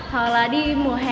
hoặc là đi mùa hè